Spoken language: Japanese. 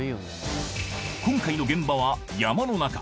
今回の現場は山の中。